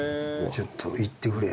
ちょっといってくれ。